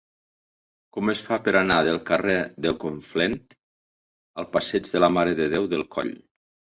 Com es fa per anar del carrer del Conflent al passeig de la Mare de Déu del Coll?